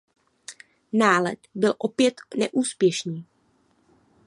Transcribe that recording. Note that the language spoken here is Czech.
Nálet byl opět neúspěšný.